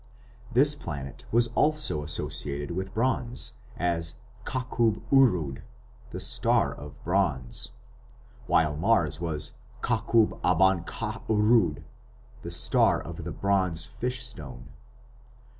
This planet was also associated with bronze, as "Kakkub Urud", "the star of bronze", while Mars was "Kakkub Aban Kha urud," "the star of the bronze fish stone".